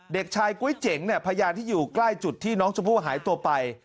เด็กชายก๊วยเจ๋งเนี่ยพยานที่อยู่ใกล้จุดที่น้องชมพู่หายตัวไป